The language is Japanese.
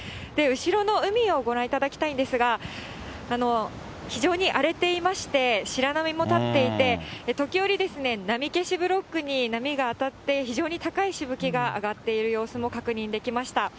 後ろの海をご覧いただきたいんですが、非常に荒れていまして、白波も立っていて、時折ですね、波消しブロックに波が当たって、非常に高いしぶきが上がっている様子も確認できました。